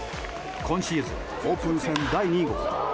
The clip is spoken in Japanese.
今シーズン、オープン戦第２号。